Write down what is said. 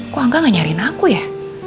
kok angka gak nyariin aku ya